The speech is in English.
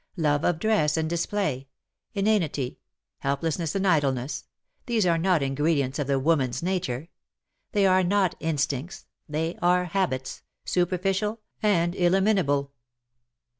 Love of dress and dis play, inanity, helplessness and idleness — these are not ingredients of the woman s nature ; these are not instinctSy they are habits, super ficial and eliminable.